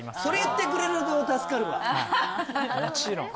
それ言ってくれると助かるわはい